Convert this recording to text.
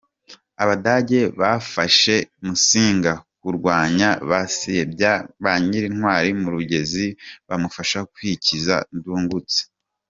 Abadage bafashije Musinga kurwanya Basebya ba Nyirantwari mu Rugezi, bamufasha kwikiza Ndungutse.